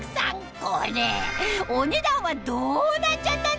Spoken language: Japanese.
これお値段はどうなっちゃったの？